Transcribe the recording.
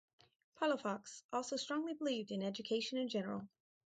Palafox also strongly believed in education in general.